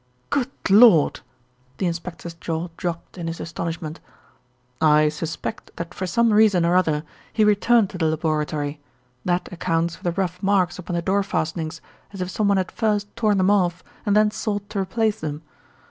"Good Lord!" The inspector's jaw dropped in his astonishment. "I suspect that for some reason or other he returned to the laboratory; that accounts for the rough marks upon the door fastenings as if someone had first torn them off and then sought to replace them.